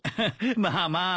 まあまあ。